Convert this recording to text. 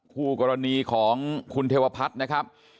คู่กรณีของคุณเทวพัฒน์นะครับ